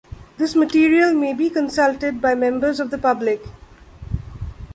This material may be consulted by members of the public.